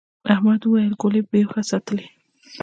احمد وويل: گولۍ بې هوښه ساتلې.